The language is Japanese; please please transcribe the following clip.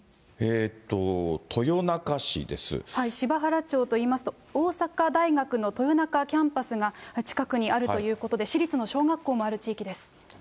柴原町といいますと、大阪大学の豊中キャンパスが近くにあるということで、しりつの小学校もある地域です。